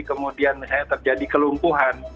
kemudian misalnya terjadi kelumpuhan